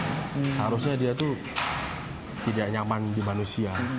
seharusnya dia tuh tidak nyaman di manusia